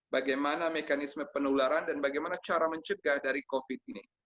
bagaimana mekanisme penularan dan bagaimana cara mencegah dari covid ini